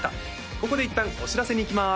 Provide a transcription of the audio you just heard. ここでいったんお知らせにいきます